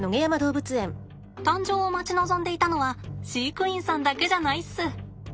誕生を待ち望んでいたのは飼育員さんだけじゃないっす。